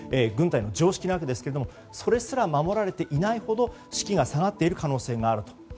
軍隊の常識なわけですけどそれすら守られていないほど士気が下がっている可能性があると。